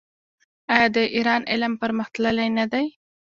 آیا د ایران علم پرمختللی نه دی؟